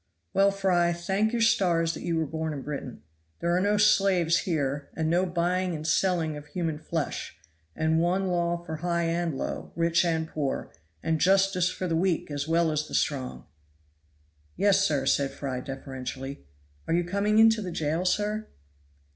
Well, Fry, thank your stars that you were born in Britain. There are no slaves here, and no buying and selling of human flesh; and one law for high and low, rich and poor, and justice for the weak as well as the strong." "Yes, sir," said Fry deferentially "are you coming into the jail, sir?"